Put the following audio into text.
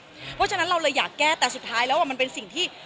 เพราะฉะนั้นเราเลยอยากแก้แต่สุดท้ายแล้วมันเป็นสิ่งที่